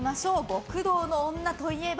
極道の妻といえば？